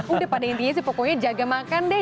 udah pada intinya sih pokoknya jaga makan deh